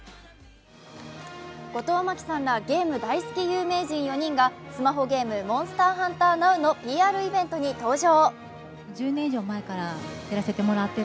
後藤真希さんらゲーム大好き有名人４人が新作ゲーム「モンスターハンターＮｏｗ」のＰＲイベントに登場。